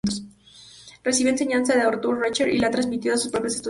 Recibió enseñanza de Artur Schnabel y la ha transmitido a sus propios estudiantes.